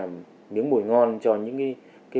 những mùi ngon cho những cái hội đồng